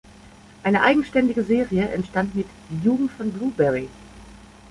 Eine eigenständige Serie entstand mit Die Jugend von Blueberry.